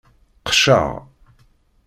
Qceɛ!